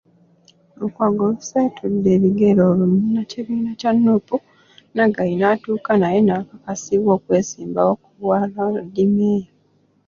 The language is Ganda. Lukwago oluseetudde ebigere olwo munnakibiina kya Nuupu, Naggayi n'atuuka naye n'akakasibwa okwesimbawo ku bwaloodimmeeya.